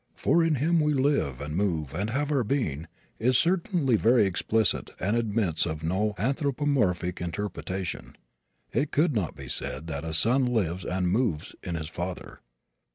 "For in Him we live, and move, and have our being," is certainly very explicit and admits of no anthropomorphic interpretation. It could not be said that a son lives and moves in his father.